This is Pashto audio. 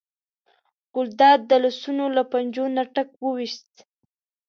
ګلداد د لاسونو له پنجو نه ټک وویست.